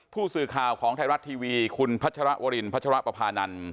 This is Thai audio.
ผู้สื่อข่าวของไทยรัฐทีวีคุณพัชรวรินพัชรปภานันทร์